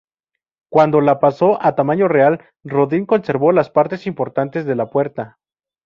Cuando la pasó a tamaño real, Rodin conservó las partes importantes de La Puerta.